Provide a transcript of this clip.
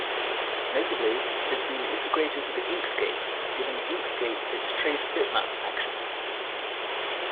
Notably, it has been integrated with Inkscape, giving Inkscape its "Trace Bitmap" action.